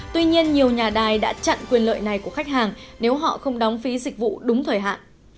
tuy nhiên nhiều nhà đài đã chặn quyền lợi này của khách hàng nếu họ không đóng phí dịch vụ đúng thời hạn